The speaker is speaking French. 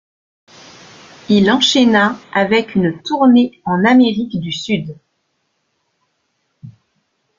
Il enchaîna avec une tournée en Amérique du Sud.